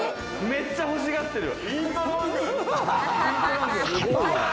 めっちゃ欲しがってる。